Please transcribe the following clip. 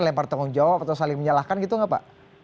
lempar tanggung jawab atau saling menyalahkan gitu nggak pak